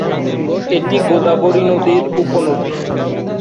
এটি গোদাবরী নদীর উপনদী।